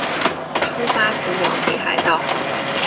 出发前往北海道